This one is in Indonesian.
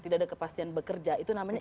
tidak ada kepastian bekerja itu namanya